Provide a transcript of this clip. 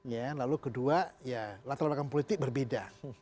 ya lalu kedua ya latar belakang politik berbeda